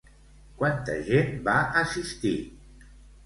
Quanta gent va assistir?